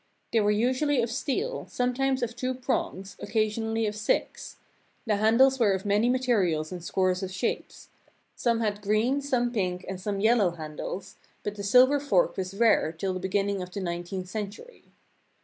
They were usually of steel, sometimes of two prongs, occasionally of six; the handles were of many materials and scores of shapes; some had green, some pink, and some yellow handles, but the silver fork was rare till the beginning of the nineteenth century.